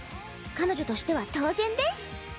彼女としては当然です。